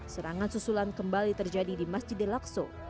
serangan susulan kembali terjadi di masjid al aqsa